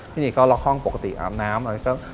พี่หนีนก็ล็อกห้องปกติอาบน้ำ